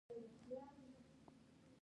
د پکیتکا ولایت زنغوزي یعنی جلغوزي لري.